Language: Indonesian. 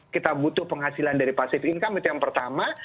kita butuh penghasilan dari pasive income itu yang pertama